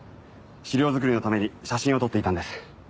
資料作りのために写真を撮っていたんです。